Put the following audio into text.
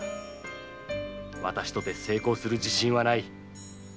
わたしとて成功する自信はない。